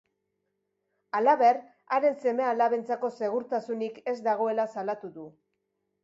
Halaber, haren seme-alabentzako segurtasunik ez dagoela salatu du.